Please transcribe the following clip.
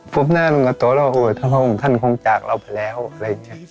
ฟุ๊บหน้าลงกระโต๊ะแล้วถ้าพระองค์ท่านคงจากเราไปแล้วอะไรอย่างเนี่ย